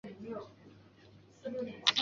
前身是大阪府立护理短期大学。